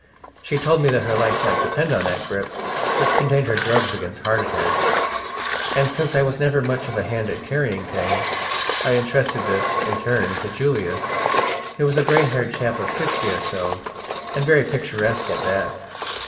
She told me that her life might depend on that grip, which contained her drugs against heart attacks. And, since I was never much of a hand at carrying things, I entrusted this, in turn, to Julius, who was a grey haired chap of sixty or so, and very picturesque at that.